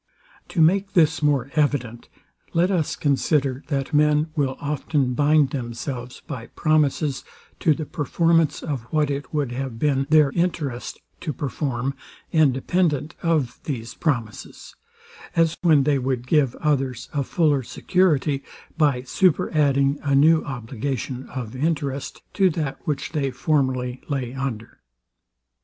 To make this more evident, let us consider, that men will often bind themselves by promises to the performance of what it would have been their interest to perform, independent of these promises; as when they would give others a fuller security, by super adding a new obligation of interest to that which they formerly lay under.